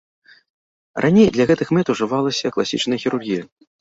Раней для гэтых мэт ужывалася класічная хірургія.